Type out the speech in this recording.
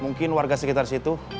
mungkin warga sekitar situ